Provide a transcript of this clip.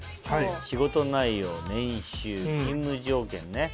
「仕事内容年収勤務条件」ね。